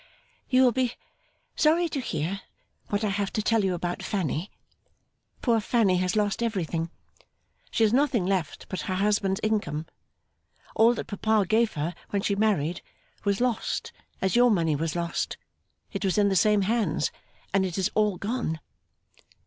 'You will be sorry to hear what I have to tell you about Fanny. Poor Fanny has lost everything. She has nothing left but her husband's income. All that papa gave her when she married was lost as your money was lost. It was in the same hands, and it is all gone.